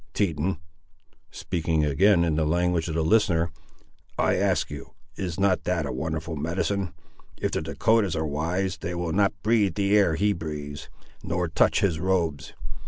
Teton," speaking again in the language of the listener, "I ask you, is not that a wonderful medicine? If the Dahcotahs are wise, they will not breathe the air he breathes, nor touch his robes.